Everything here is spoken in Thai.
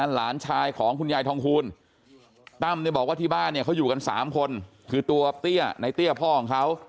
หลานชายของคุณยายทองคูณตั้มเนี่ยบอกว่าที่บ้านเนี่ยเขาอยู่กัน๓คนคือตัวเตี้ยในเตี้ยพ่อของเขา